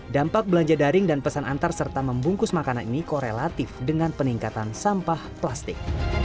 dampak belanja daring dan pesan antar serta membungkus makanan ini korelatif dengan peningkatan sampah plastik